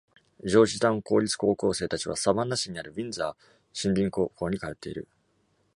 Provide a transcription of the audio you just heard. ジョージタウン公立高校生たちはサヴァンナ市にあるウィンザー森林高校に通っている。